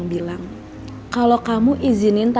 ini pampang darah muncak estiver tidak ada